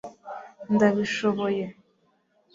ndabishoboye